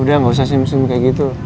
udah gak usah simp simp kayak gitu